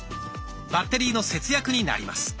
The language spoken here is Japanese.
バッテリーの節約になります。